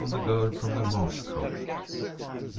THE GIRL FROM THE MARSH CROFT 3 II.